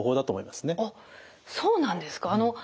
あっそうなんですか。